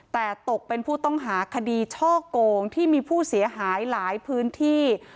แต่ตกเป็นผู้ต้องหาคดีช่อโกงที่มีผู้เสียหายหลายพื้นที่